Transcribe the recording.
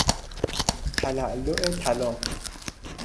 تلالو طلا